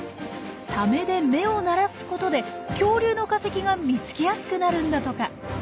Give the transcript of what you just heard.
サメで目を慣らすことで恐竜の化石が見つけやすくなるんだとか。